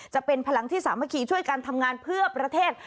จะเป็นพลังที่สามัคคีช่วยกันทำงานเพื่อประเทศ